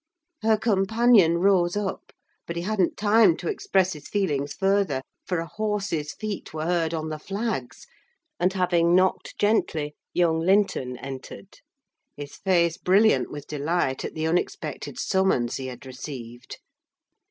Her companion rose up, but he hadn't time to express his feelings further, for a horse's feet were heard on the flags, and having knocked gently, young Linton entered, his face brilliant with delight at the unexpected summons he had received.